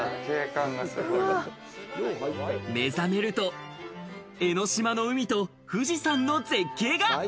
目覚めると、江の島の海と富士山の絶景が。